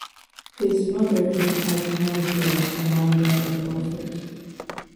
His mother is the Iconographer Amanda de Pulford.